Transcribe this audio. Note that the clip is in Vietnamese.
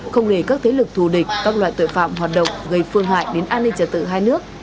không để các thế lực thù địch các loại tội phạm hoạt động gây phương hại đến an ninh trả tự hai nước